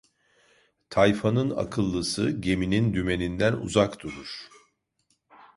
Tayfanın akıllısı, geminin dümeninden uzak durur.